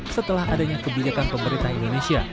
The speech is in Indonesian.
setelah adanya kebijakan pemerintah indonesia